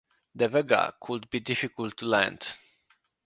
The Vega could be difficult to land.